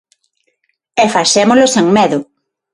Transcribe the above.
E facémolo sen medo.